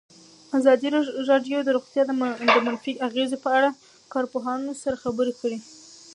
ازادي راډیو د روغتیا د منفي اغېزو په اړه له کارپوهانو سره خبرې کړي.